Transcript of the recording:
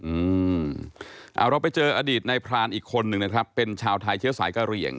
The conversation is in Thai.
อืมอ่าเราไปเจออดีตในพรานอีกคนหนึ่งนะครับเป็นชาวไทยเชื้อสายกะเหลี่ยง